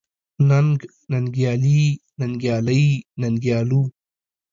ننګ، ننګيالي ، ننګيالۍ، ننګيالو ،